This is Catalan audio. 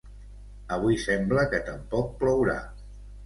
Avui sembla que tampoc plourà.